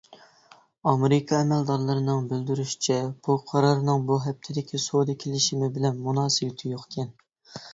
ئامېرىكا ئەمەلدارىنىڭ بىلدۈرۈشىچە، بۇ قارارنىڭ بۇ ھەپتىدىكى سودا كېلىشىمى بىلەن مۇناسىۋىتى يوقكەن.